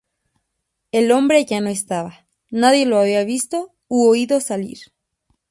El hombre ya no estaba, nadie lo había visto u oído salir.